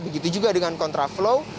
begitu juga dengan kontraflow